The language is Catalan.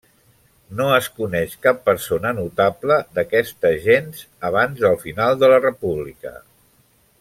No es coneix cap persona notable d'aquesta gens abans del final de la república.